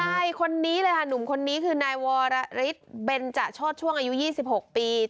ใช่คนนี้เลยค่ะหนุ่มคนนี้คือนายวรฤทธิ์เบนจะโชธช่วงอายุ๒๖ปี